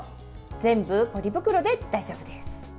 全部、ポリ袋で大丈夫です。